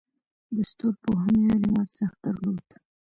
د ستورپوهنې علم ارزښت درلود